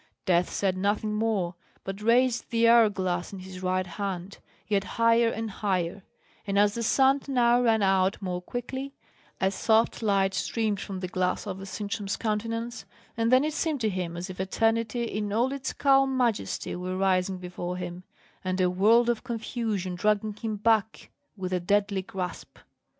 Death said nothing more, but raised the hour glass in his right hand yet higher and higher; and as the sand now ran out more quickly, a soft light streamed from the glass over Sintram's countenance, and then it seemed to him as if eternity in all its calm majesty were rising before him, and a world of confusion dragging him back with a deadly grasp.